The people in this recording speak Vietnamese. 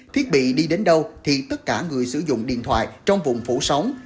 thiết bị đi đến đâu thì tất cả người sử dụng điện thoại trong vùng phủ sóng